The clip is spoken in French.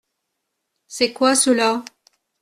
C’est quoi ceux-là ?